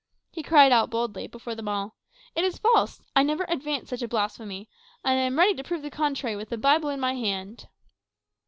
He cried out boldly, before them all, 'It is false! I never advanced such a blasphemy; and I am ready to prove the contrary with the Bible in my hand.